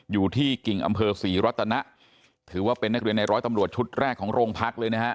กิ่งอำเภอศรีรัตนะถือว่าเป็นนักเรียนในร้อยตำรวจชุดแรกของโรงพักเลยนะฮะ